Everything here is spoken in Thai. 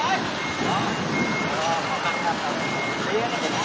ไฟไฟ